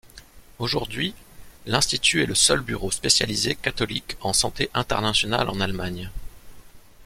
Aujourd'hui, l'institut est le seul bureau spécialisé catholique en santé internationale en Allemagne.